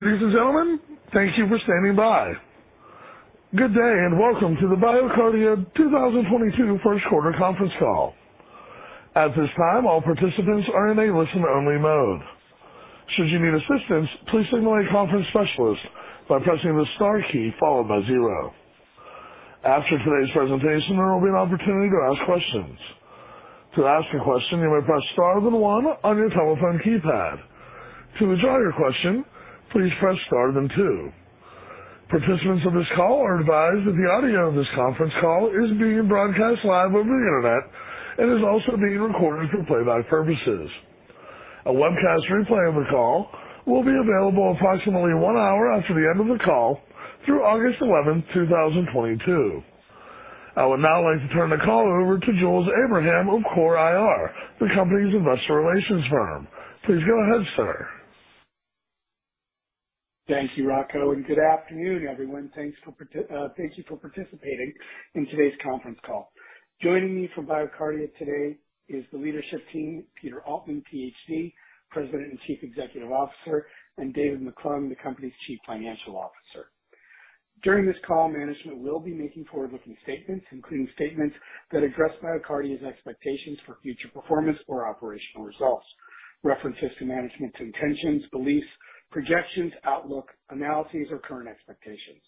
Ladies and gentlemen, thank you for standing by. Good day and welcome to the BioCardia 2022 first quarter conference call. At this time, all participants are in a listen-only mode. Should you need assistance, please signal a conference specialist by pressing the star key followed by zero. After today's presentation, there will be an opportunity to ask questions. To ask a question, you may press star then one on your telephone keypad. To withdraw your question, please press star then two. Participants of this call are advised that the audio of this conference call is being broadcast live over the Internet and is also being recorded for playback purposes. A webcast replay of the call will be available approximately one hour after the end of the call through August 11th, 2022. I would now like to turn the call over to Jules Abraham of CORE IR, the company's investor relations firm. Please go ahead, sir. Thank you, Rocco, and good afternoon, everyone. Thank you for participating in today's conference call. Joining me from BioCardia today is the leadership team, Peter Altman, Ph.D., President and Chief Executive Officer, and David McClung, the company's Chief Financial Officer. During this call, management will be making forward-looking statements, including statements that address BioCardia's expectations for future performance or operational results, references to management's intentions, beliefs, projections, outlook, analyses, or current expectations.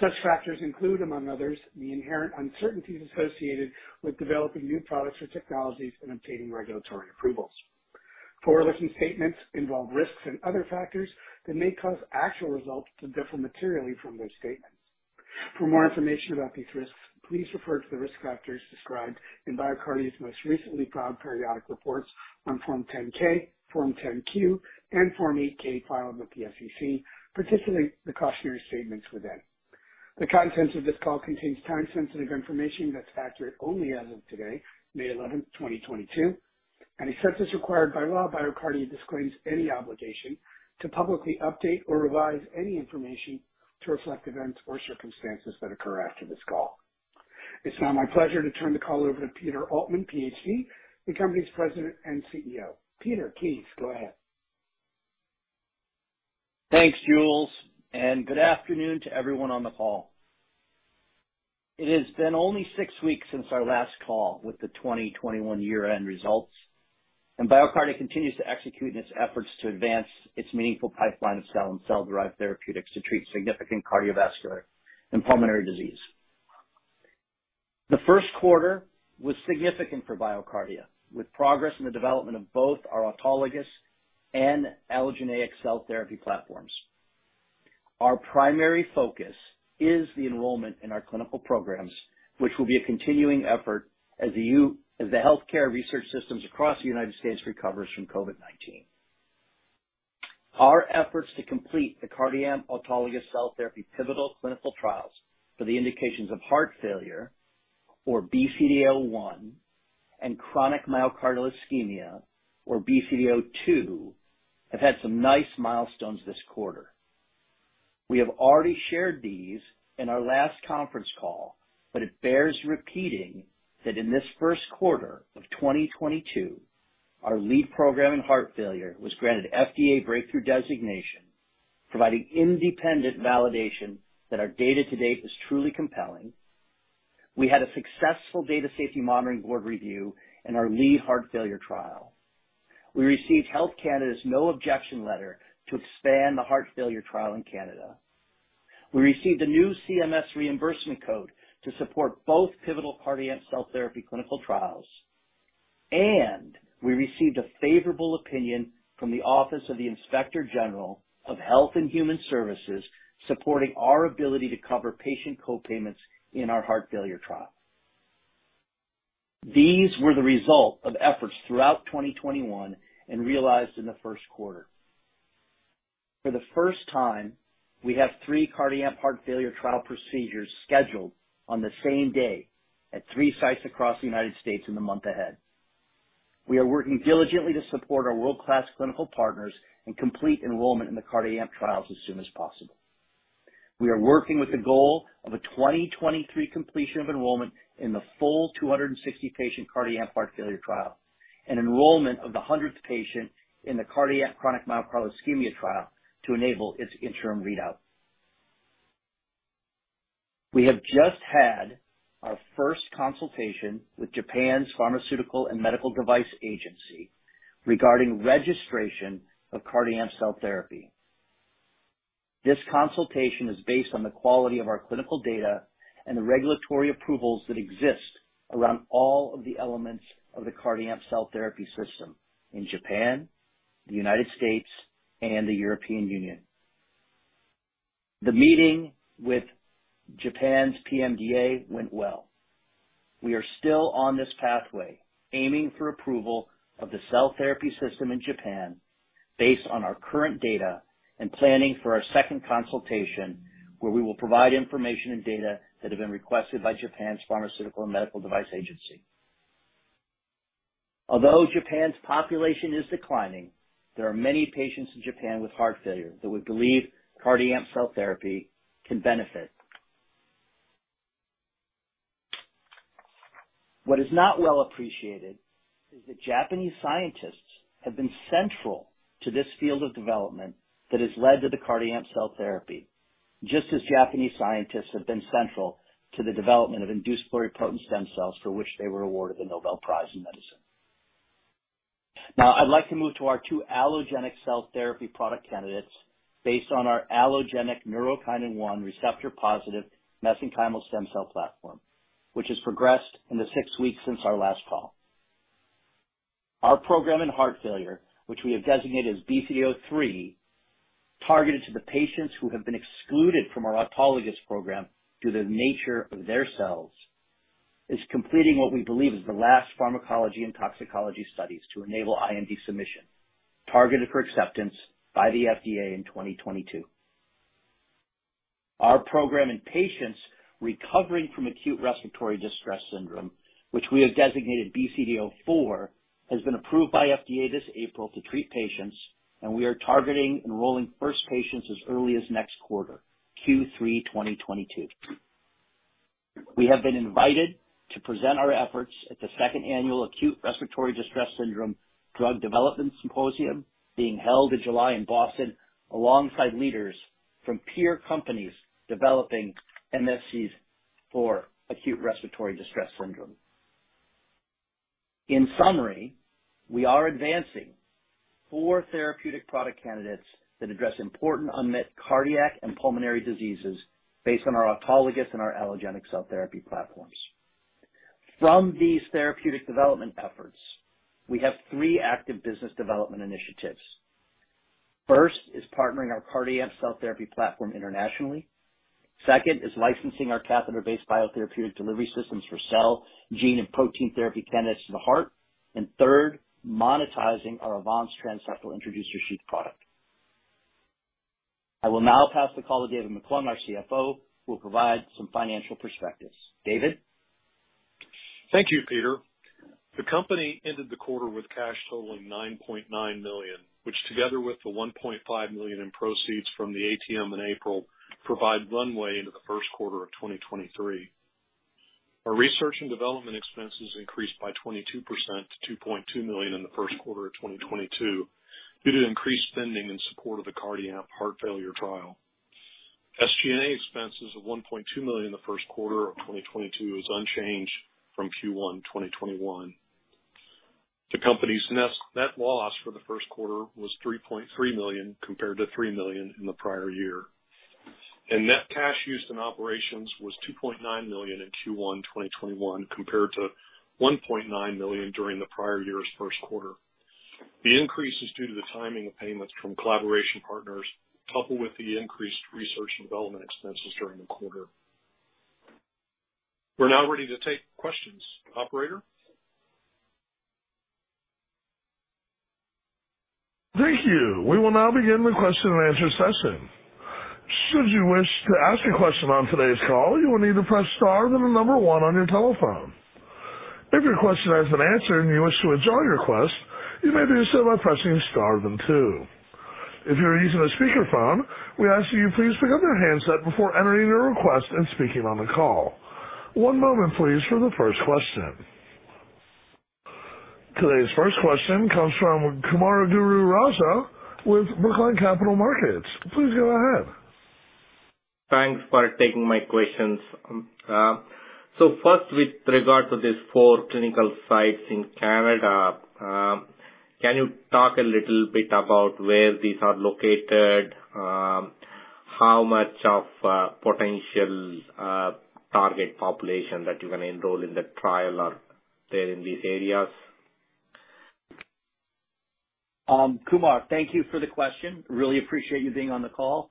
Such factors include, among others, the inherent uncertainties associated with developing new products or technologies and obtaining regulatory approvals. Forward-looking statements involve risks and other factors that may cause actual results to differ materially from those statements. For more information about these risks, please refer to the risk factors described in BioCardia's most recently filed periodic reports on Form 10-K, Form 10-Q, and Form 8-K filed with the SEC, particularly the cautionary statements within. The contents of this call contains time-sensitive information that's accurate only as of today, May eleventh, 2022, and except as required by law, BioCardia disclaims any obligation to publicly update or revise any information to reflect events or circumstances that occur after this call. It's now my pleasure to turn the call over to Peter Altman, Ph.D., the company's President and CEO. Peter, please go ahead. Thanks, Jules, and good afternoon to everyone on the call. It has been only six weeks since our last call with the 2021 year-end results, and BioCardia continues to execute in its efforts to advance its meaningful pipeline of cell and cell-derived therapeutics to treat significant cardiovascular and pulmonary disease. The first quarter was significant for BioCardia, with progress in the development of both our autologous and allogeneic cell therapy platforms. Our primary focus is the enrollment in our clinical programs, which will be a continuing effort as the healthcare research systems across the United States recovers from COVID-19. Our efforts to complete the CardiAMP autologous Cell Therapy pivotal clinical trials for the indications of heart failure, or BCDA-01, and chronic myocardial ischemia, or BCDA-02, have had some nice milestones this quarter. We have already shared these in our last conference call, but it bears repeating that in this first quarter of 2022, our lead program in heart failure was granted FDA breakthrough designation, providing independent validation that our data to date is truly compelling. We had a successful data safety monitoring board review in our lead heart failure trial. We received Health Canada's no objection letter to expand the heart failure trial in Canada. We received a new CMS reimbursement code to support both pivotal CardiAMP Cell Therapy clinical trials, and we received a favorable opinion from the Office of Inspector General, U.S. Department of Health and Human Services, supporting our ability to cover patient co-payments in our heart failure trial. These were the result of efforts throughout 2021 and realized in the first quarter. For the first time, we have three CardiAMP heart failure trial procedures scheduled on the same day at three sites across the United States in the month ahead. We are working diligently to support our world-class clinical partners and complete enrollment in the CardiAMP trials as soon as possible. We are working with the goal of a 2023 completion of enrollment in the full 260-patient CardiAMP heart failure trial and enrollment of the 100th patient in the CardiAMP chronic myocardial ischemia trial to enable its interim readout. We have just had our first consultation with Japan's Pharmaceuticals and Medical Devices Agency regarding registration of CardiAMP Cell Therapy. This consultation is based on the quality of our clinical data and the regulatory approvals that exist around all of the elements of the CardiAMP Cell Therapy System in Japan, the United States, and the European Union. The meeting with Japan's PMDA went well. We are still on this pathway, aiming for approval of the Cell Therapy System in Japan based on our current data and planning for our second consultation, where we will provide information and data that have been requested by Japan's Pharmaceuticals and Medical Devices Agency. Although Japan's population is declining, there are many patients in Japan with heart failure that we believe CardiAMP Cell Therapy can benefit. What is not well appreciated is that Japanese scientists have been central to this field of development that has led to the CardiAMP Cell Therapy, just as Japanese scientists have been central to the development of induced pluripotent stem cells for which they were awarded the Nobel Prize in medicine. Now I'd like to move to our two allogeneic cell therapy product candidates based on our allogeneic neurokinin-1 receptor-positive mesenchymal stem cell platform, which has progressed in the six weeks since our last call. Our program in heart failure, which we have designated as BCDA-03, targeted to the patients who have been excluded from our autologous program due to the nature of their cells, is completing what we believe is the last pharmacology and toxicology studies to enable IND submission targeted for acceptance by the FDA in 2022. Our program in patients recovering from acute respiratory distress syndrome, which we have designated BCDA-04, has been approved by FDA this April to treat patients, and we are targeting enrolling first patients as early as next quarter, Q3 2022. We have been invited to present our efforts at the second annual ARDS Drug Development Summit being held in July in Boston, alongside leaders from peer companies developing MSCs for acute respiratory distress syndrome. In summary, we are advancing four therapeutic product candidates that address important unmet cardiac and pulmonary diseases based on our autologous and our allogeneic cell therapy platforms. From these therapeutic development efforts, we have three active business development initiatives. First is partnering our CardiAMP Cell Therapy platform internationally. Second is licensing our catheter-based biotherapeutic delivery systems for cell, gene, and protein therapy candidates to the heart. Third, monetizing our AVANCE transseptal introducer sheath product. I will now pass the call to David McClung, our CFO, who will provide some financial perspectives. David? Thank you, Peter. The company ended the quarter with cash totaling $9.9 million, which together with the $1.5 million in proceeds from the ATM in April, provide runway into the first quarter of 2023. Our research and development expenses increased by 22% to $2.2 million in the first quarter of 2022 due to increased spending in support of the CardiAMP heart failure trial. SG&A expenses of $1.2 million in the first quarter of 2022 is unchanged from Q1 2021. The company's net loss for the first quarter was $3.3 million, compared to $3 million in the prior year. Net cash used in operations was $2.9 million in Q1 2021 compared to $1.9 million during the prior year's first quarter. The increase is due to the timing of payments from collaboration partners, coupled with the increased research and development expenses during the quarter. We're now ready to take questions. Operator? Thank you. We will now begin the question-and-answer session. Should you wish to ask a question on today's call, you will need to press star then the number one on your telephone. If your question has been answered and you wish to withdraw your request, you may do so by pressing star then two. If you're using a speakerphone, we ask that you please pick up your handset before entering your request and speaking on the call. One moment please for the first question. Today's first question comes from Kumaraguru Raja with Brookline Capital Markets. Please go ahead. Thanks for taking my questions. First, with regard to these four clinical sites in Canada, can you talk a little bit about where these are located? How much of potential target population that you're gonna enroll in the trial are there in these areas? Kumar, thank you for the question. Really appreciate you being on the call.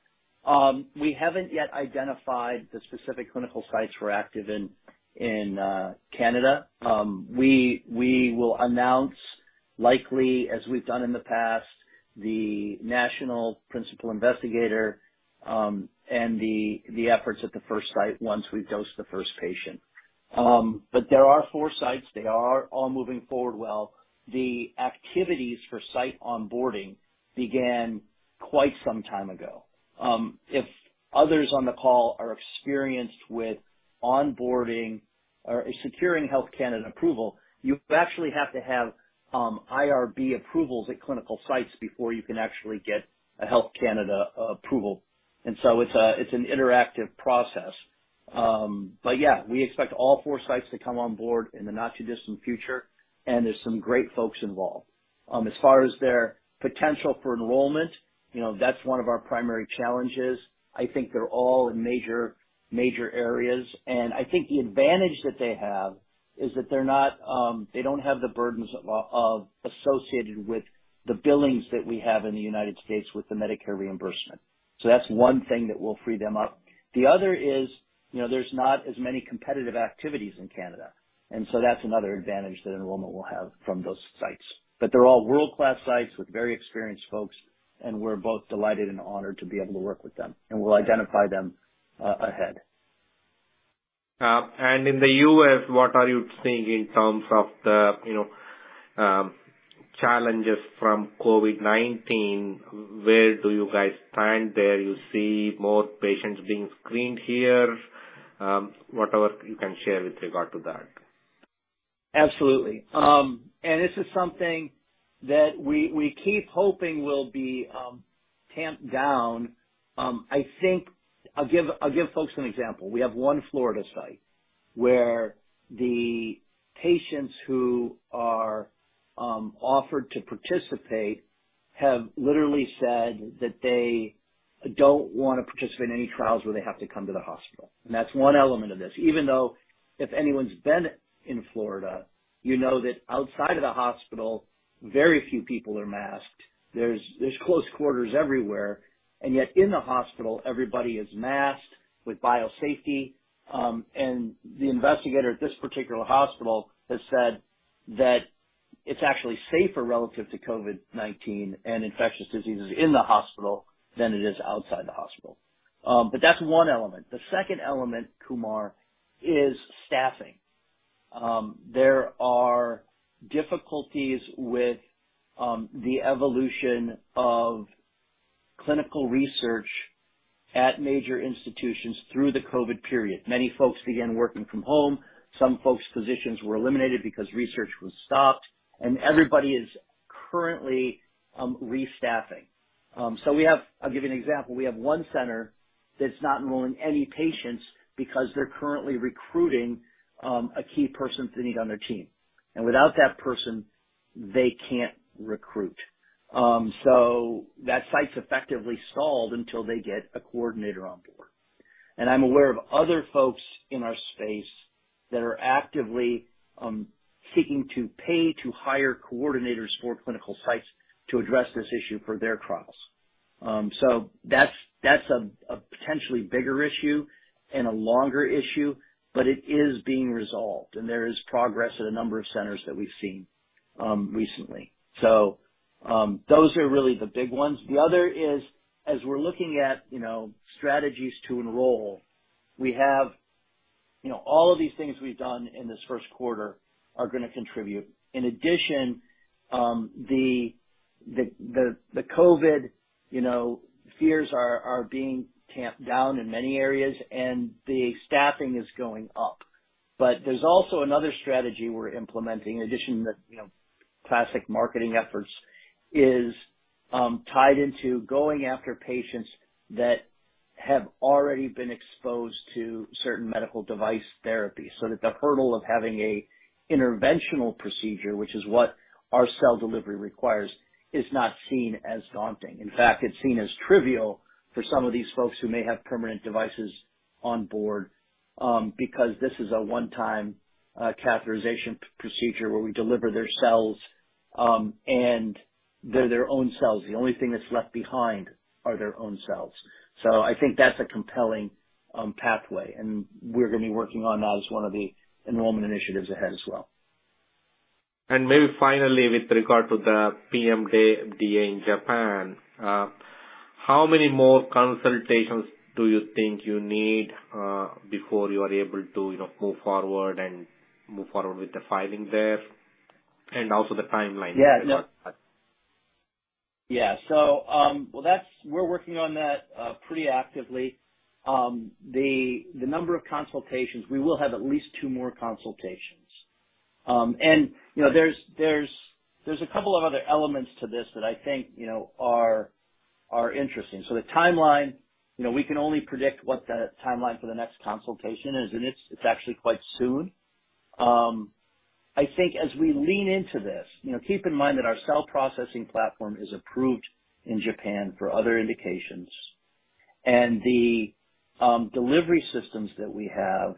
We haven't yet identified the specific clinical sites we're active in Canada. We will announce, likely, as we've done in the past, the National Principal Investigator and the efforts at the first site once we've dosed the first patient. There are four sites. They are all moving forward well. The activities for site onboarding began quite some time ago. If others on the call are experienced with onboarding or securing Health Canada approval, you actually have to have IRB approvals at clinical sites before you can actually get a Health Canada approval. It's an interactive process. Yeah, we expect all four sites to come on board in the not-too-distant future, and there's some great folks involved. As far as their potential for enrollment, you know, that's one of our primary challenges. I think they're all in major areas. I think the advantage that they have is that they're not, they don't have the burdens of associated with the billings that we have in the United States with the Medicare reimbursement. That's one thing that will free them up. The other is, you know, there's not as many competitive activities in Canada. That's another advantage that enrollment will have from those sites. They're all world-class sites with very experienced folks, and we're both delighted and honored to be able to work with them. We'll identify them ahead. In the U.S., what are you seeing in terms of the, you know, challenges from COVID-19, where do you guys stand there? You see more patients being screened here? Whatever you can share with regard to that. Absolutely. And this is something that we keep hoping will be tamped down. I think I'll give folks an example. We have one Florida site where the patients who are offered to participate have literally said that they don't wanna participate in any trials where they have to come to the hospital. That's one element of this. Even though if anyone's been in Florida, you know that outside of the hospital, very few people are masked. There's close quarters everywhere. Yet in the hospital, everybody is masked with biosafety. And the investigator at this particular hospital has said that it's actually safer relative to COVID-19 and infectious diseases in the hospital than it is outside the hospital. That's one element. The second element, Kumar, is staffing. There are difficulties with the evolution of clinical research at major institutions through the COVID period. Many folks began working from home. Some folks' positions were eliminated because research was stopped and everybody is currently restaffing. I'll give you an example. We have one center that's not enrolling any patients because they're currently recruiting a key person they need on their team. Without that person, they can't recruit. That site's effectively stalled until they get a coordinator on board. I'm aware of other folks in our space that are actively seeking to pay to hire coordinators for clinical sites to address this issue for their trials. That's a potentially bigger issue and a longer issue, but it is being resolved and there is progress at a number of centers that we've seen recently. Those are really the big ones. The other is, as we're looking at, you know, strategies to enroll, we have, you know, all of these things we've done in this first quarter are gonna contribute. In addition, the COVID, you know, fears are being tamped down in many areas and the staffing is going up. There's also another strategy we're implementing in addition to the, you know, classic marketing efforts, is tied into going after patients that have already been exposed to certain medical device therapies, so that the hurdle of having an interventional procedure, which is what our cell delivery requires, is not seen as daunting. In fact, it's seen as trivial for some of these folks who may have permanent devices on board, because this is a one-time catheterization procedure where we deliver their cells, and they're their own cells. The only thing that's left behind are their own cells. I think that's a compelling pathway and we're gonna be working on that as one of the enrollment initiatives ahead as well. Maybe finally with regard to the PMDA in Japan, how many more consultations do you think you need before you are able to, you know, move forward with the filing there? Also the timeline. Yeah. We're working on that pretty actively. The number of consultations, we will have at least two more consultations. You know, there's a couple of other elements to this that I think, you know, are interesting. The timeline, you know, we can only predict what the timeline for the next consultation is, and it's actually quite soon. I think as we lean into this, you know, keep in mind that our cell processing platform is approved in Japan for other indications. The delivery systems that we have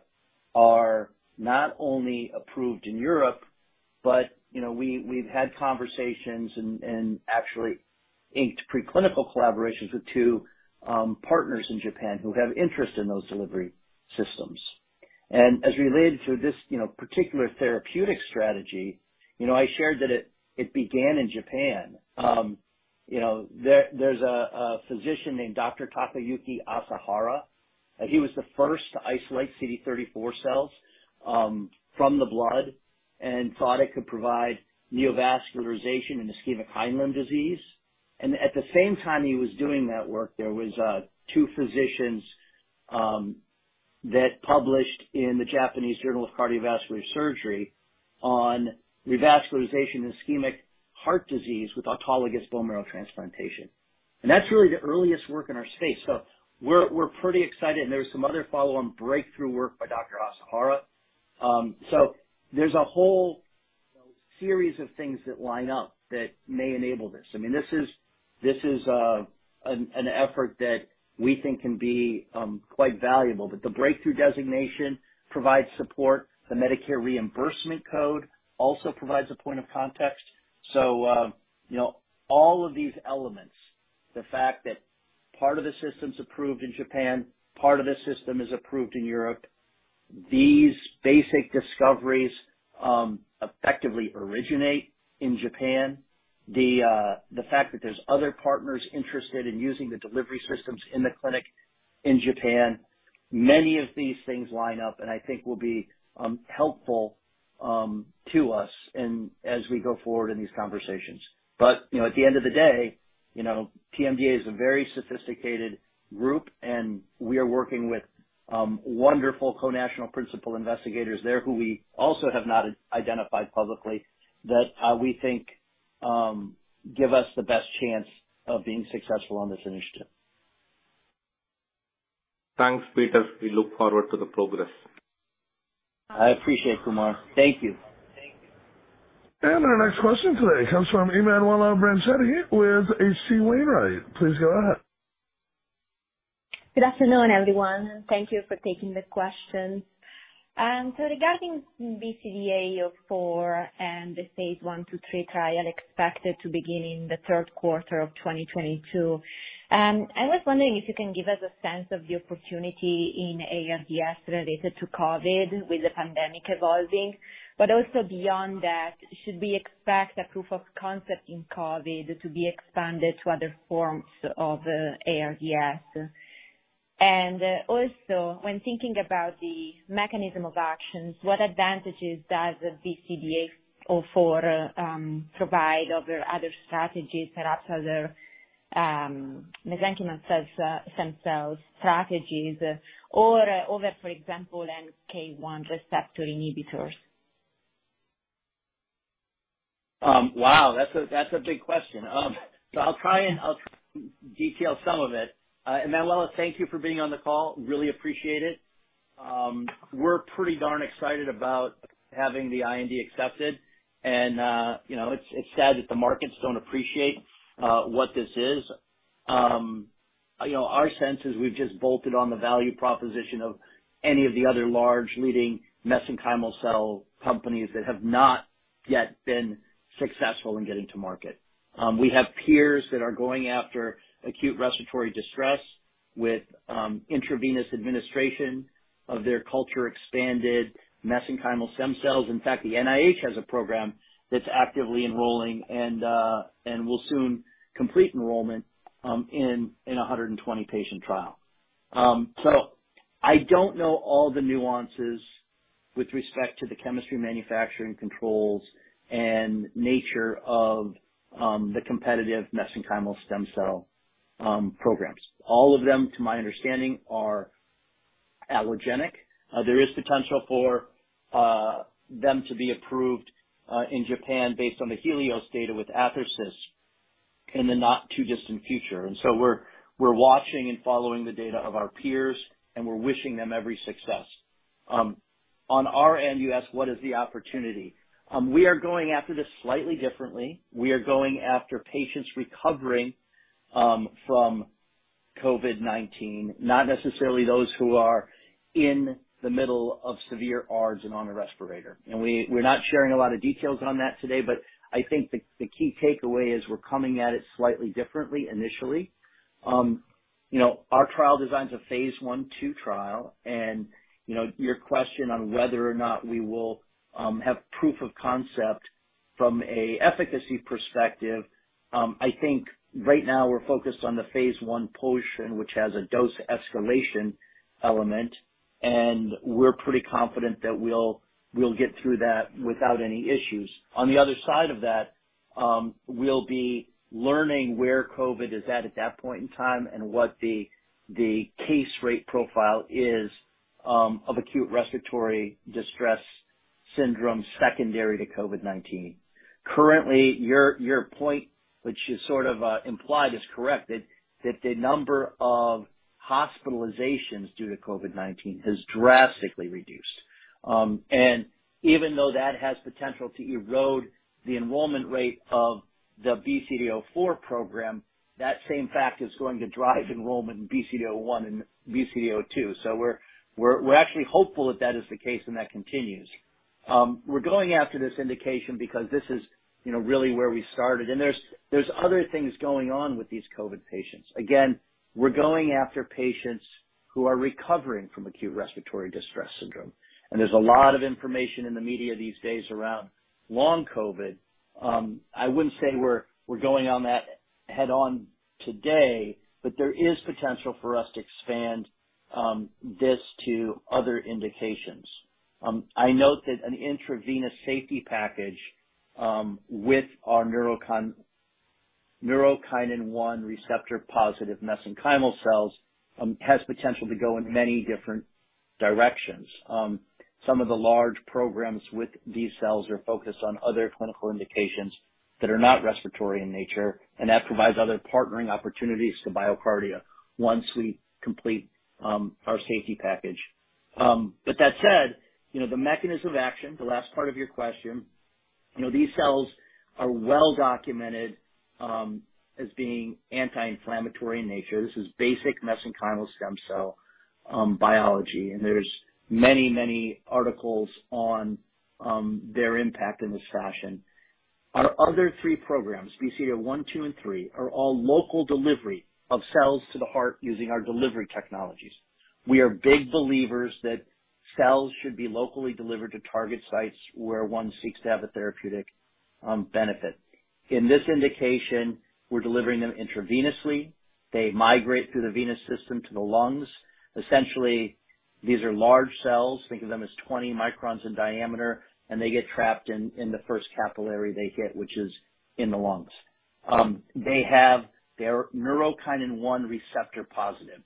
are not only approved in Europe, but you know, we've had conversations and actually inked preclinical collaborations with two partners in Japan who have interest in those delivery systems. As related to this, you know, particular therapeutic strategy, you know, I shared that it began in Japan. You know, there's a physician named Dr. Takayuki Asahara, and he was the first to isolate CD34 cells from the blood and thought it could provide neovascularization in ischemic hindlimb disease. At the same time he was doing that work, there was two physicians that published in the Japanese Journal of Cardiovascular Surgery on revascularization ischemic heart disease with autologous bone marrow transplantation. That's really the earliest work in our space. We're pretty excited and there's some other follow-on breakthrough work by Dr. Asahara. So there's a whole series of things that line up that may enable this. I mean, this is an effort that we think can be quite valuable. The breakthrough designation provides support. The Medicare reimbursement code also provides a point of context. You know, all of these elements, the fact that part of the system's approved in Japan, part of the system is approved in Europe. These basic discoveries effectively originate in Japan. The fact that there's other partners interested in using the delivery systems in the clinic in Japan. Many of these things line up and I think will be helpful to us and as we go forward in these conversations. You know, at the end of the day, you know, PMDA is a very sophisticated group, and we are working with wonderful Japanese Principal Investigators there who we also have not identified publicly that we think give us the best chance of being successful on this initiative. Thanks, Peter. We look forward to the progress. I appreciate, Kumar. Thank you. Our next question today comes from Emanuela Brancati with H.C. Wainwright. Please go ahead. Good afternoon, everyone. Thank you for taking the questions. So regarding BCDA-04 and the phase I to III trial expected to begin in the third quarter of 2022, I was wondering if you can give us a sense of the opportunity in ARDS related to COVID with the pandemic evolving, but also beyond that, should we expect a proof of concept in COVID to be expanded to other forms of ARDS? And also, when thinking about the mechanism of actions, what advantages does BCDA-04 provide over other strategies perhaps other mesenchymal cells, stem cells strategies or over, for example, NK1 receptor inhibitors? Wow, that's a big question. I'll try and detail some of it. Emanuela, thank you for being on the call. Really appreciate it. We're pretty darn excited about having the IND accepted. You know, it's sad that the markets don't appreciate what this is. You know, our sense is we've just bolted on the value proposition of any of the other large leading mesenchymal cell companies that have not yet been successful in getting to market. We have peers that are going after acute respiratory distress with intravenous administration of their culture expanded mesenchymal stem cells. In fact, the NIH has a program that's actively enrolling and will soon complete enrollment in a 120-patient trial. I don't know all the nuances with respect to the chemistry manufacturing controls and nature of the competitive mesenchymal stem cell programs. All of them, to my understanding, are allogeneic. There is potential for them to be approved in Japan based on the Healios data with Athersys in the not too distant future. We're watching and following the data of our peers, and we're wishing them every success. On our end, you asked what is the opportunity. We are going after this slightly differently. We are going after patients recovering from COVID-19, not necessarily those who are in the middle of severe ARDS and on a respirator. We're not sharing a lot of details on that today. I think the key takeaway is we're coming at it slightly differently initially. You know, our trial design's a phase I/II trial and, you know, your question on whether or not we will have proof of concept from an efficacy perspective, I think right now we're focused on the phase I portion, which has a dose escalation element, and we're pretty confident that we'll get through that without any issues. On the other side of that, we'll be learning where COVID is at that point in time and what the case rate profile is of acute respiratory distress syndrome secondary to COVID-19. Currently, your point, which is sort of implied, is correct that the number of hospitalizations due to COVID-19 has drastically reduced. Even though that has potential to erode the enrollment rate of the BCDA-04 program, that same fact is going to drive enrollment in BCDA-01 and BCDA-02. We're actually hopeful that that is the case and that continues. We're going after this indication because this is, you know, really where we started. There's other things going on with these COVID patients. Again, we're going after patients who are recovering from acute respiratory distress syndrome, and there's a lot of information in the media these days around long COVID. I wouldn't say we're going at that head-on today, but there is potential for us to expand this to other indications. I note that an intravenous safety package with our neurokinin-1 receptor-positive mesenchymal cells has potential to go in many different directions. Some of the large programs with these cells are focused on other clinical indications that are not respiratory in nature, and that provides other partnering opportunities to BioCardia once we complete our safety package. That said, you know, the mechanism of action, the last part of your question, you know, these cells are well documented as being anti-inflammatory in nature. This is basic mesenchymal stem cell biology. There's many, many articles on their impact in this fashion. Our other three programs, BCDA-01, BCDA-02, and BCDA-03, are all local delivery of cells to the heart using our delivery technologies. We are big believers that cells should be locally delivered to target sites where one seeks to have a therapeutic benefit. In this indication, we're delivering them intravenously. They migrate through the venous system to the lungs. Essentially, these are large cells, think of them as 20 microns in diameter, and they get trapped in the first capillary they hit, which is in the lungs. They have their neurokinin-1 receptor positive.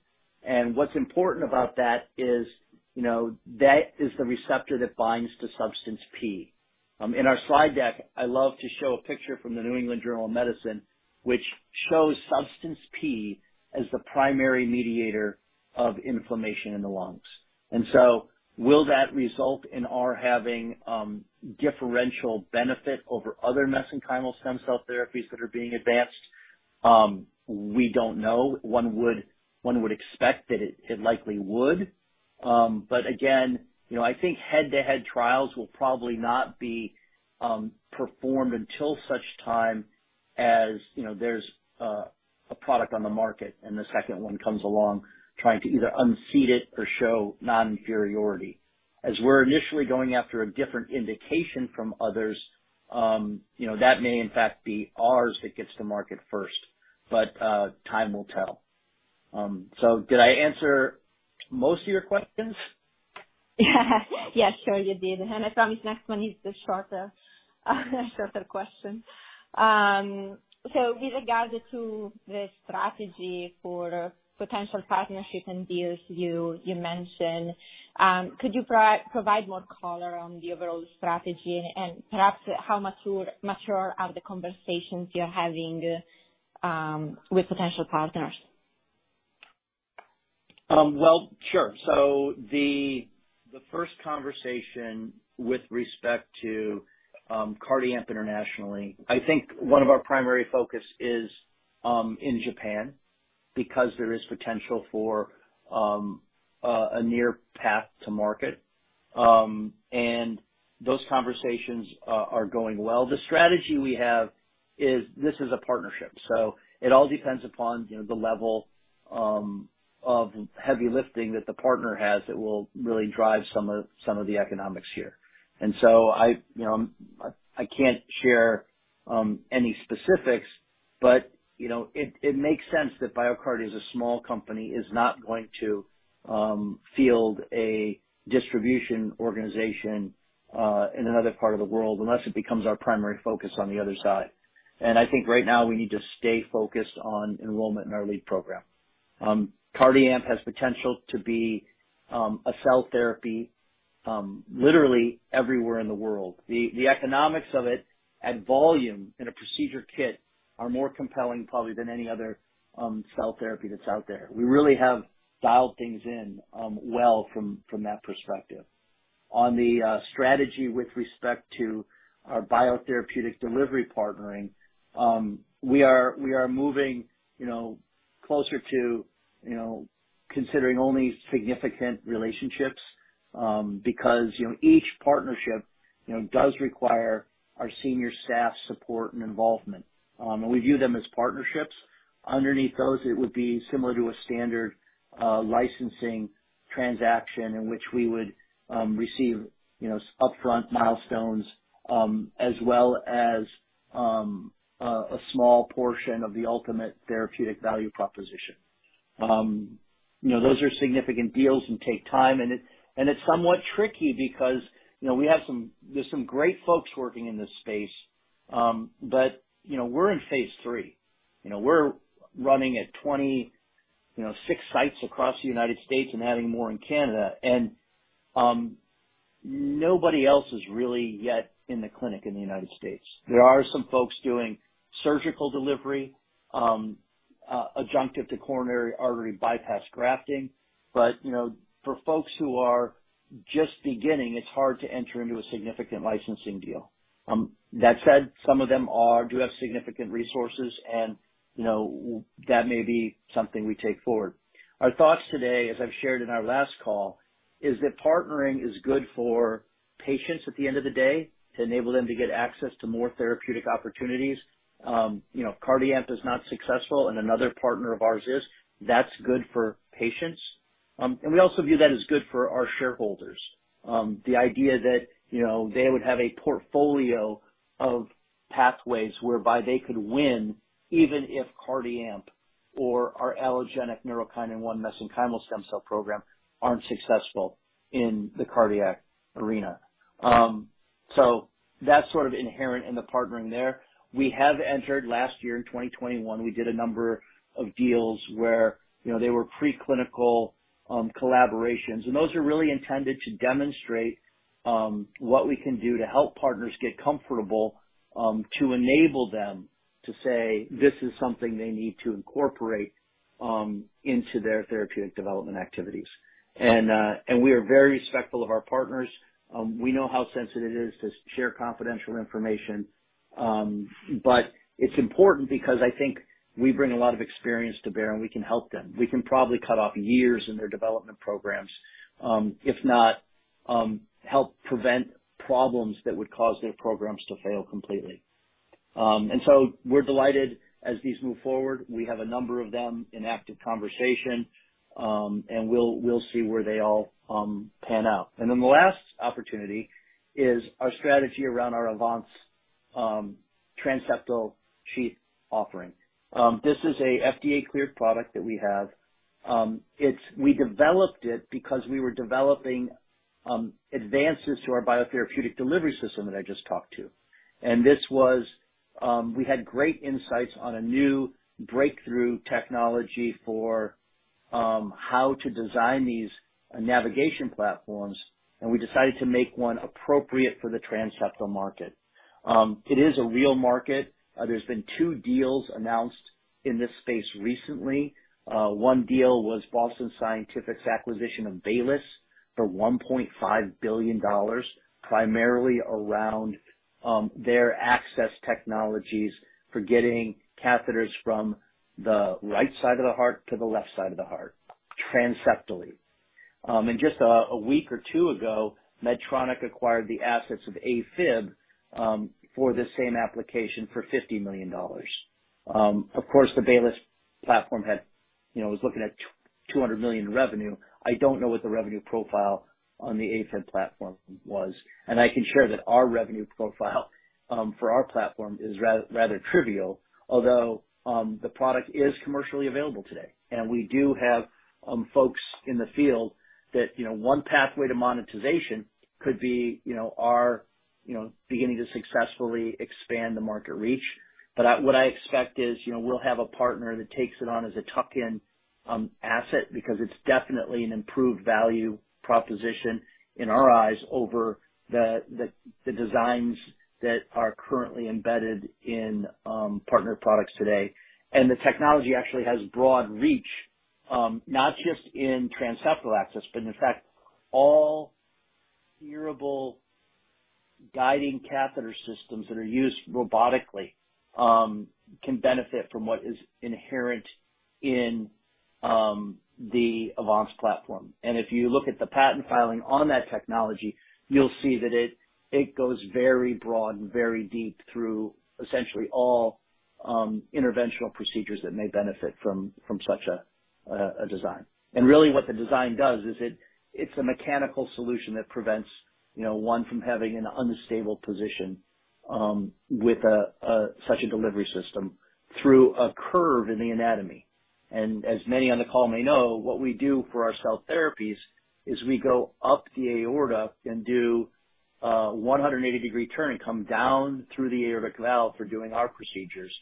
What's important about that is, you know, that is the receptor that binds to substance P. In our slide deck, I love to show a picture from the New England Journal of Medicine, which shows substance P as the primary mediator of inflammation in the lungs. Will that result in our having differential benefit over other mesenchymal stem cell therapies that are being advanced? We don't know. One would expect that it likely would. Again, you know, I think head-to-head trials will probably not be performed until such time as, you know, there's a product on the market and the second one comes along trying to either unseat it or show non-inferiority. As we're initially going after a different indication from others, you know, that may in fact be ours that gets to market first, but time will tell. Did I answer most of your questions? Yes, sure you did. I promise next one is the shorter question. So with regards to the strategy for potential partnership and deals you mentioned, could you provide more color on the overall strategy and perhaps how mature are the conversations you're having with potential partners? Well, sure. The first conversation with respect to CardiAMP internationally, I think one of our primary focus is in Japan because there is potential for a near path to market. Those conversations are going well. The strategy we have is this is a partnership, so it all depends upon, you know, the level of heavy lifting that the partner has that will really drive some of the economics here. I, you know, I can't share any specifics, but, you know, it makes sense that BioCardia as a small company is not going to field a distribution organization in another part of the world unless it becomes our primary focus on the other side. I think right now we need to stay focused on enrollment in our lead program. CardiAMP has potential to be a cell therapy literally everywhere in the world. The economics of it at volume in a procedure kit are more compelling probably than any other cell therapy that's out there. We really have dialed things in well from that perspective. On the strategy with respect to our biotherapeutic delivery partnering, we are moving you know closer to you know considering only significant relationships. Because you know each partnership you know does require our senior staff support and involvement. We view them as partnerships. Underneath those, it would be similar to a standard licensing transaction in which we would receive you know upfront milestones as well as a small portion of the ultimate therapeutic value proposition. You know, those are significant deals and take time and it's somewhat tricky because there are some great folks working in this space. You know, we're in phase III. You know, we're running at 26 sites across the United States and adding more in Canada. Nobody else is really yet in the clinic in the United States. There are some folks doing surgical delivery adjunctive to coronary artery bypass grafting. You know, for folks who are just beginning, it's hard to enter into a significant licensing deal. That said, some of them do have significant resources and you know, that may be something we take forward. Our thoughts today, as I've shared in our last call, is that partnering is good for patients at the end of the day to enable them to get access to more therapeutic opportunities. You know, if CardiAMP is not successful and another partner of ours is, that's good for patients. We also view that as good for our shareholders. The idea that, you know, they would have a portfolio of pathways whereby they could win even if CardiAMP or our allogeneic neurokinin-1 mesenchymal stem cell program aren't successful in the cardiac arena. That's sort of inherent in the partnering there. We have entered, last year in 2021, we did a number of deals where, you know, they were preclinical collaborations, and those are really intended to demonstrate what we can do to help partners get comfortable, to enable them to say this is something they need to incorporate into their therapeutic development activities. We are very respectful of our partners. We know how sensitive it is to share confidential information. It's important because I think we bring a lot of experience to bear and we can help them. We can probably cut off years in their development programs, if not help prevent problems that would cause their programs to fail completely. We're delighted as these move forward. We have a number of them in active conversation, and we'll see where they all pan out. Then the last opportunity is our strategy around our AVANCE transseptal sheath offering. This is an FDA-cleared product that we have. We developed it because we were developing advances to our biotherapeutic delivery system that I just talked about. We had great insights on a new breakthrough technology for how to design these navigation platforms, and we decided to make one appropriate for the transseptal market. It is a real market. There's been two deals announced in this space recently. One deal was Boston Scientific's acquisition of Baylis for $1.5 billion, primarily around their access technologies for getting catheters from the right side of the heart to the left side of the heart transseptally. Just a week or two ago, Medtronic acquired the assets of Affera for the same application for $50 million. Of course, the Baylis platform had, you know, was looking at $200 million in revenue. I don't know what the revenue profile on the Affera platform was, and I can share that our revenue profile for our platform is rather trivial, although the product is commercially available today. We do have folks in the field that, you know, one pathway to monetization could be, you know, our beginning to successfully expand the market reach. What I expect is, we'll have a partner that takes it on as a tuck-in asset because it's definitely an improved value proposition in our eyes over the designs that are currently embedded in partner products today. The technology actually has broad reach, not just in transseptal access, but in fact, all curved guiding catheter systems that are used robotically can benefit from what is inherent in the AVANCE platform. If you look at the patent filing on that technology, you'll see that it goes very broad and very deep through essentially all interventional procedures that may benefit from such a design. Really what the design does is a mechanical solution that prevents, you know, one from having an unstable position with such a delivery system through a curve in the anatomy. As many on the call may know, what we do for our cell therapies is we go up the aorta and do a 180-degree turn and come down through the aortic valve for doing our procedures.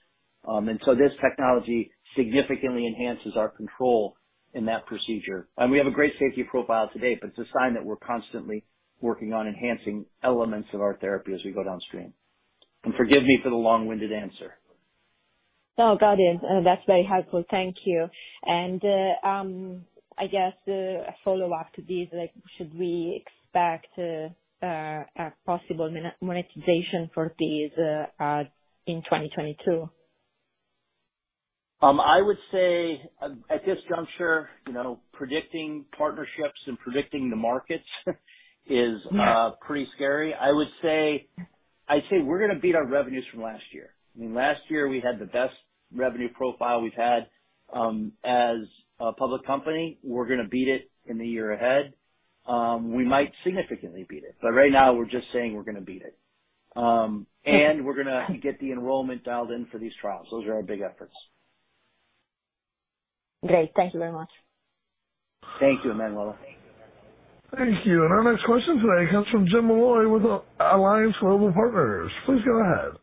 This technology significantly enhances our control in that procedure. We have a great safety profile today, but it's a sign that we're constantly working on enhancing elements of our therapy as we go downstream. Forgive me for the long-winded answer. No, got it. That's very helpful. Thank you. I guess a follow-up to this, like should we expect a possible monetization for these in 2022? I would say at this juncture, you know, predicting partnerships and predicting the markets is. Yeah. Pretty scary. I would say, I'd say we're gonna beat our revenues from last year. I mean, last year we had the best revenue profile we've had, as a public company. We're gonna beat it in the year ahead. We might significantly beat it, but right now we're just saying we're gonna beat it. We're gonna get the enrollment dialed in for these trials. Those are our big efforts. Great. Thank you very much. Thank you, Emanuela. Thank you. Our next question today comes from James Molloy with Alliance Global Partners. Please go ahead.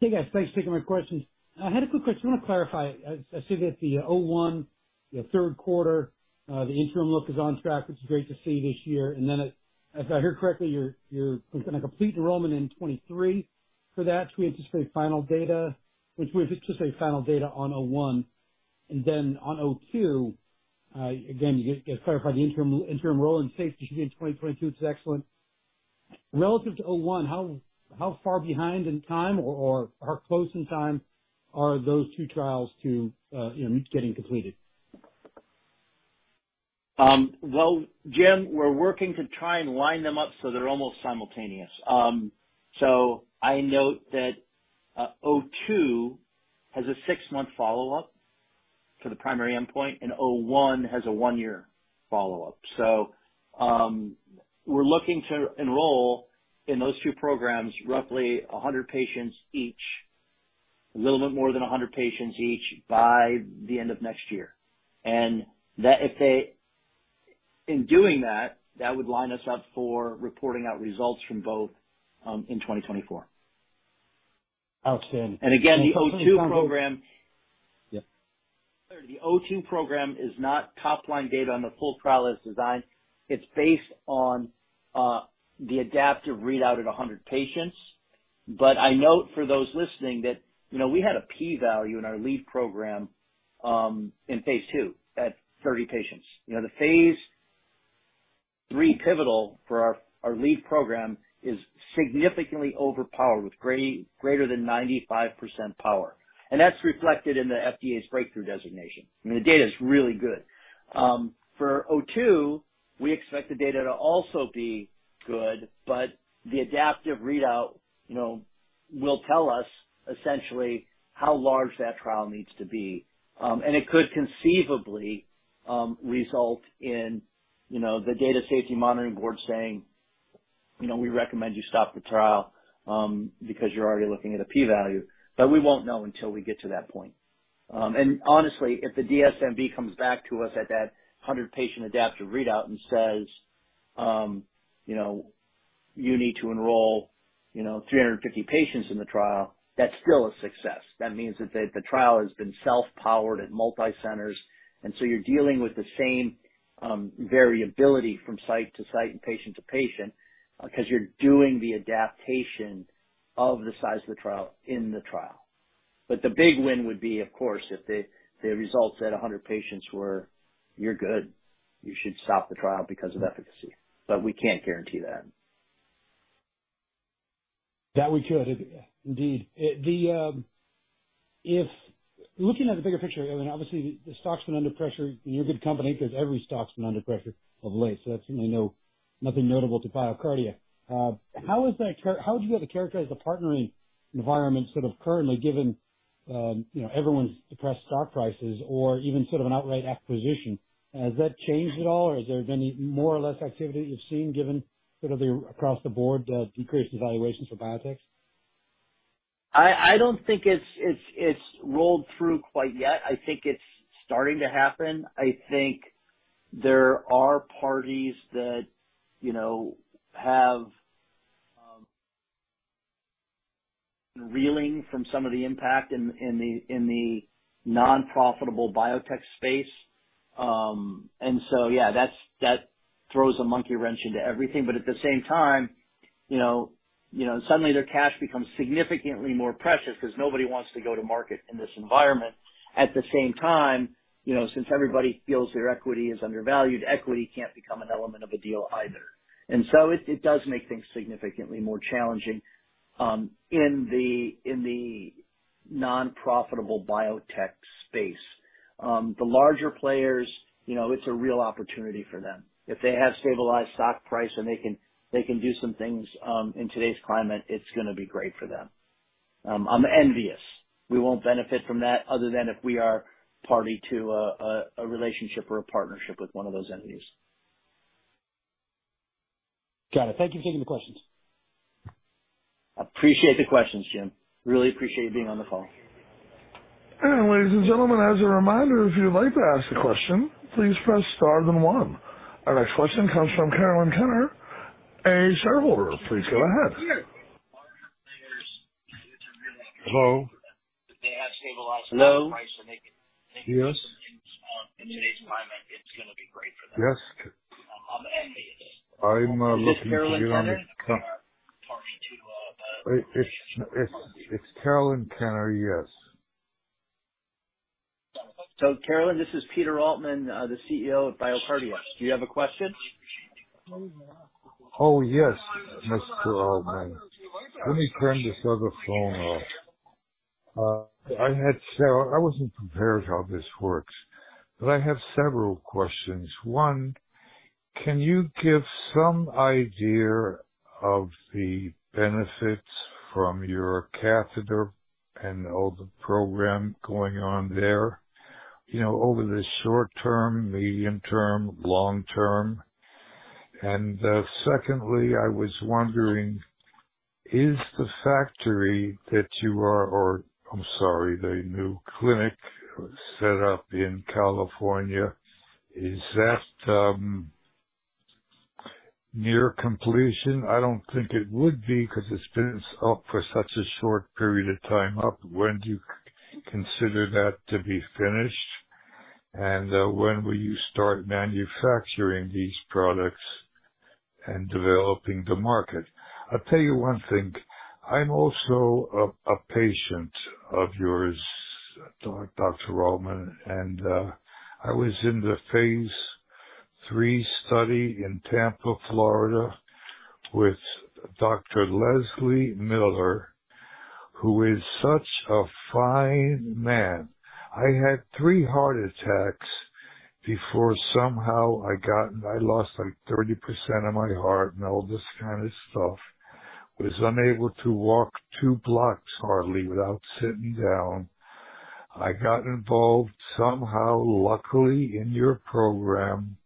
Hey, guys. Thanks for taking my questions. I had a quick question. I want to clarify. I see that the BCDA-01, the third quarter, the interim look is on track, which is great to see this year. If I hear correctly, you're gonna complete enrollment in 2023 for that. We have to see final data on BCDA-01. Then on BCDA-02, again, you can clarify the interim enrollment and safety should be in 2022, which is excellent. Relative to BCDA-01, how far behind in time or how close in time are those two trials to getting completed? Well, Jim, we're working to try and line them up so they're almost simultaneous. I note that BCDA-02 has a six-month follow-up to the primary endpoint, and BCDA-01 has a one-year follow-up. We're looking to enroll in those two programs, roughly 100 patients each, a little bit more than 100 patients each by the end of next year. In doing that would line us up for reporting out results from both in 2024. Outstanding. Again, the O2 program. Yeah. The O2 program is not top line data on the full trial as designed. It's based on the adaptive readout at 100 patients. I note for those listening that, you know, we had a P value in our lead program in phase II at 30 patients. You know, the phase III pivotal for our lead program is significantly overpowered with greater than 95% power. That's reflected in the FDA's breakthrough designation. I mean, the data is really good. For O2, we expect the data to also be good, but the adaptive readout, you know, will tell us essentially how large that trial needs to be. It could conceivably result in, you know, the data safety monitoring board saying, you know, "We recommend you stop the trial, because you're already looking at a p-value." We won't know until we get to that point. Honestly, if the DSMB comes back to us at that 100-patient adaptive readout and says, you know, "You need to enroll, you know, 350 patients in the trial," that's still a success. That means that the trial has been self-powered at multi-centers, and so you're dealing with the same variability from site to site and patient to patient because you're doing the adaptation of the size of the trial in the trial. The big win would be, of course, if the results at 100 patients were, "You're good. You should stop the trial because of efficacy." We can't guarantee that. That we could. Indeed. Looking at the bigger picture, I mean, obviously the stock's been under pressure. You're in good company because every stock's been under pressure of late, so that's certainly nothing notable to BioCardia. How would you be able to characterize the partnering environment sort of currently given, you know, everyone's depressed stock prices or even sort of an outright acquisition? Has that changed at all, or has there been any more or less activity you've seen given sort of the across-the-board, decreased valuations for biotechs? I don't think it's rolled through quite yet. I think it's starting to happen. I think there are parties that, you know, are reeling from some of the impact in the non-profitable biotech space. Yeah, that throws a monkey wrench into everything. At the same time, you know, suddenly their cash becomes significantly more precious because nobody wants to go to market in this environment. At the same time, you know, since everybody feels their equity is undervalued, equity can't become an element of a deal either. It does make things significantly more challenging in the non-profitable biotech space. The larger players, you know, it's a real opportunity for them. If they have stabilized stock price and they can do some things in today's climate, it's gonna be great for them. I'm envious. We won't benefit from that other than if we are party to a relationship or a partnership with one of those entities. Got it. Thank you for taking the questions. Appreciate the questions, Jim. Really appreciate you being on the call. Ladies and gentlemen, as a reminder, if you'd like to ask a question, please press star then one. Our next question comes from Carolyn Kenner, a shareholder. Please go ahead. Hello? If they have stabilized. Hello? stock price and they can Yes. Do some things in today's climate; it's gonna be great for them. Yes. I'm envious. I'm looking to get on the com. Party to a It's Carolyn Kenner. Yes. Carolyn, this is Peter Altman, the CEO of BioCardia. Do you have a question? Oh, yes, Mr. Altman. Let me turn this other phone off. I wasn't prepared how this works, but I have several questions. One, can you give some idea of the benefits from your catheter and all the program going on there, you know, over the short term, medium term, long term? Secondly, I was wondering, is the factory. Or I'm sorry, the new clinic set up in California, is that near completion? I don't think it would be because it's been up for such a short period of time. When do you consider that to be finished? When will you start manufacturing these products and developing the market? I'll tell you one thing. I'm also a patient of yours, Dr. Altman, and I was in the phase III study in Tampa, Florida, with Dr. Leslie Miller, who is such a fine man. I had three heart attacks before somehow I got. I lost like 30% of my heart and all this kind of stuff. Was unable to walk two blocks hardly without sitting down. I got involved somehow, luckily, in your program,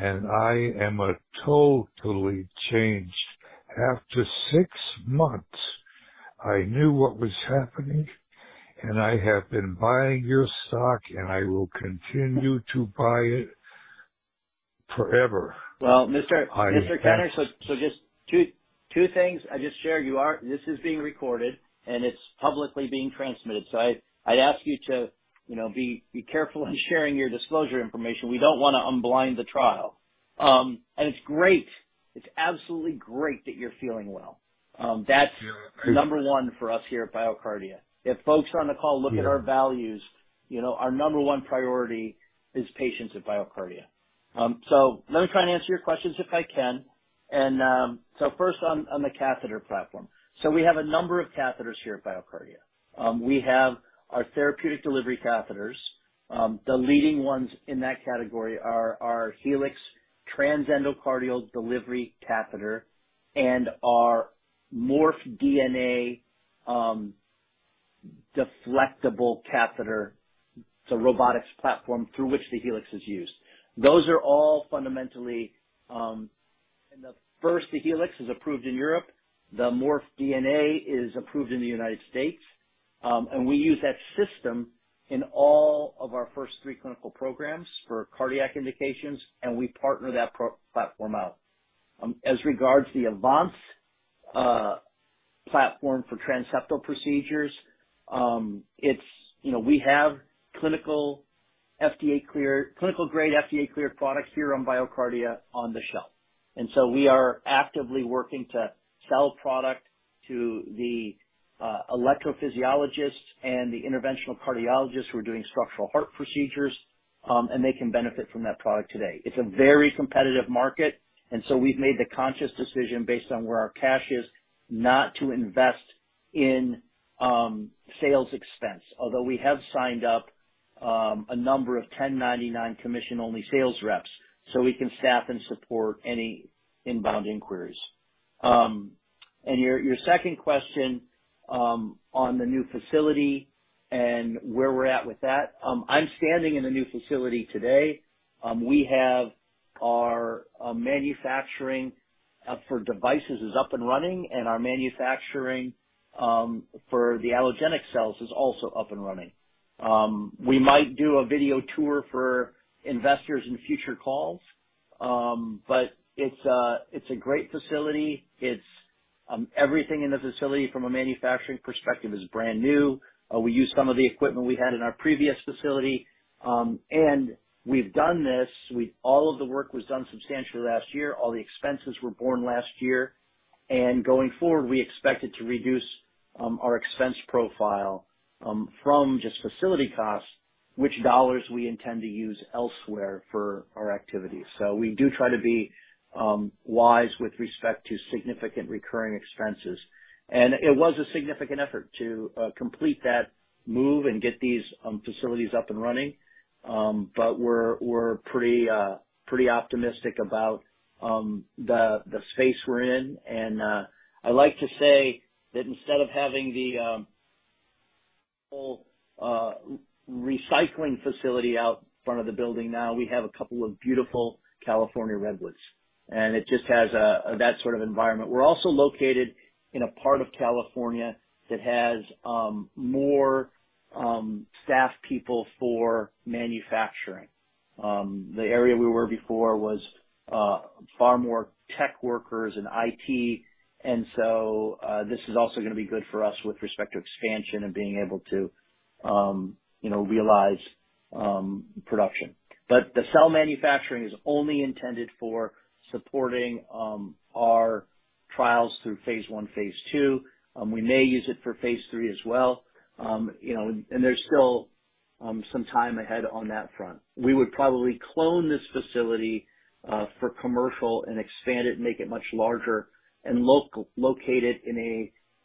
and I am a totally changed. After six months, I knew what was happening, and I have been buying your stock, and I will continue to buy it forever. Well, Mr. I am- Just two things. I just shared. This is being recorded, and it's publicly being transmitted, so I'd ask you to, you know, be careful in sharing your disclosure information. We don't wanna unblind the trial. It's great. It's absolutely great that you're feeling well. Yeah. Number 1 for us here at BioCardia. If folks on the call look at our values, you know, our number 1 priority is patients at BioCardia. Let me try and answer your questions if I can. First on the catheter platform. We have a number of catheters here at BioCardia. We have our therapeutic delivery catheters. The leading ones in that category are our Helix Transendocardial Delivery Catheter and our Morph DNA deflectable catheter. It's a robotics platform through which the Helix is used. Those are all fundamentally. The first, the Helix, is approved in Europe. The Morph DNA is approved in the United States. We use that system in all of our first 3 clinical programs for cardiac indications, and we partner that platform out. As regards the AVANCE platform for transseptal procedures, it's, you know, we have clinical grade FDA cleared products here on BioCardia on the shelf. We are actively working to sell product to the electrophysiologists and the interventional cardiologists who are doing structural heart procedures, and they can benefit from that product today. It's a very competitive market, and so we've made the conscious decision based on where our cash is not to invest in sales expense. Although we have signed up a number of 1099 commission only sales reps, so we can staff and support any inbound inquiries. Your second question on the new facility and where we're at with that, I'm standing in the new facility today. We have our manufacturing for devices up and running, and our manufacturing for the allogeneic cells is also up and running. We might do a video tour for investors in future calls, but it's a great facility. It's everything in the facility, from a manufacturing perspective, is brand new. We use some of the equipment we had in our previous facility, all of the work was done substantially last year. All the expenses were borne last year. Going forward, we expected to reduce our expense profile from just facility costs, which dollars we intend to use elsewhere for our activities. We do try to be wise with respect to significant recurring expenses. It was a significant effort to complete that move and get these facilities up and running. We're pretty optimistic about the space we're in. I like to say that instead of having the whole recycling facility out front of the building, now we have a couple of beautiful California redwoods, and it just has that sort of environment. We're also located in a part of California that has more staffed people for manufacturing. The area we were before was far more tech workers and IT. This is also gonna be good for us with respect to expansion and being able to you know realize production. The cell manufacturing is only intended for supporting our trials through phase I, phase II. We may use it for phase III as well. You know, and there's still some time ahead on that front. We would probably clone this facility for commercial and expand it and make it much larger and locate it in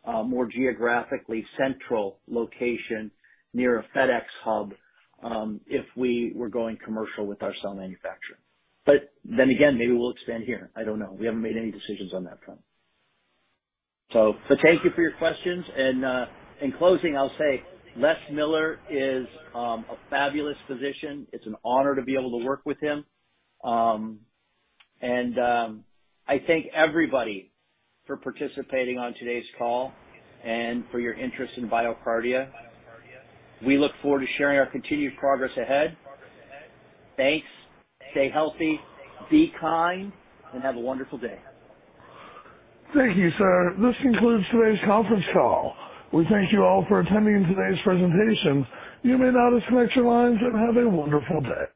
a more geographically central location near a FedEx hub, if we were going commercial with our cell manufacturing. But then again, maybe we'll expand here. I don't know. We haven't made any decisions on that front. But thank you for your questions. In closing, I'll say Les Miller is a fabulous physician. It's an honor to be able to work with him. I thank everybody for participating on today's call and for your interest in BioCardia. We look forward to sharing our continued progress ahead. Thanks. Stay healthy, be kind, and have a wonderful day. Thank you, sir. This concludes today's conference call. We thank you all for attending today's presentation. You may now disconnect your lines and have a wonderful day.